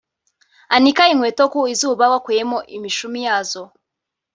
Anika inkweto ku izuba wakuyemo imishumi yazo